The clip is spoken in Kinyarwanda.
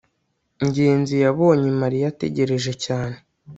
ngenzi yabonye mariya ategereje cyane